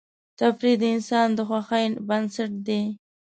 تفریح د انسان د خوښۍ بنسټ دی.